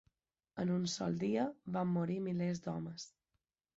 En un sol dia van morir milers d'homes